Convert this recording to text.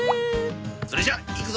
それじゃあ行くぞ！